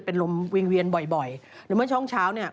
เป็นลมเวียนบ่อยหรือเมื่อช่วงเช้าเนี่ย